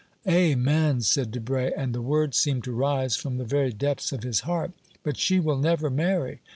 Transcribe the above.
"Amen!" said Debray, and the word seemed to rise from the very depths of his heart. "But she will never marry.